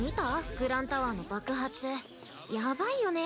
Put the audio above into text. グランタワーの爆発ヤバいよね